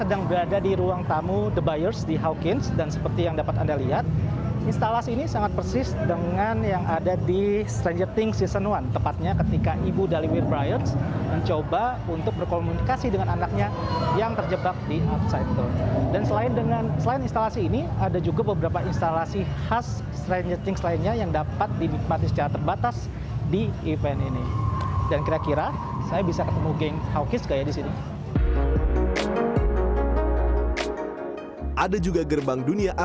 ada juga gerbang dunia upside down